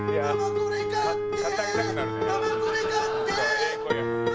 これ買って！